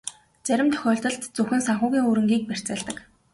Зарим тохиолдолд зөвхөн санхүүгийн хөрөнгийг барьцаалдаг.